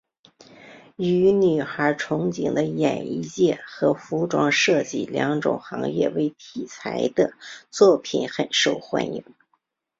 以女孩子憧憬的演艺界和服装设计两种行业为题材的作品很受欢迎。